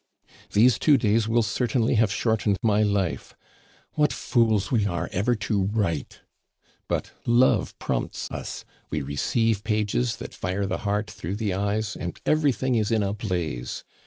"These two days will certainly have shortened my life. What fools we are ever to write! But love prompts us; we receive pages that fire the heart through the eyes, and everything is in a blaze!